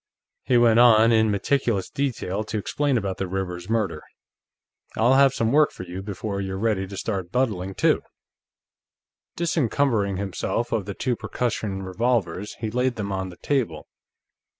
He went on, in meticulous detail, to explain about the Rivers murder. "I'll have some work for you, before you're ready to start buttling, too." Disencumbering himself of the two percussion revolvers, he laid them on the table.